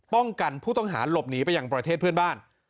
กันผู้ต้องหาหลบหนีไปยังประเทศเพื่อนบ้าน